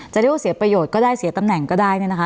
จะเรียกว่าเสียประโยชน์ก็ได้เสียตำแหน่งก็ได้เนี่ยนะคะ